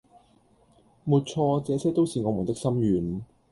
沒錯，這些都是我們的心願